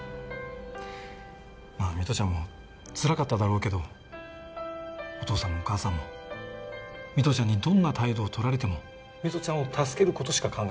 まあ美都ちゃんもつらかっただろうけどお父さんもお母さんも美都ちゃんにどんな態度を取られても美都ちゃんを助ける事しか考えてなかったんだよ。